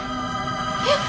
えっ！